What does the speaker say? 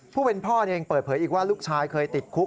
ผู้เป็นพ่อเองเปิดเผยอีกว่าลูกชายเคยติดคุก